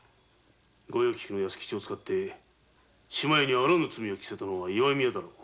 御用聞きの安吉を使って志摩屋にあらぬ罪を着せたのは石見屋だろう。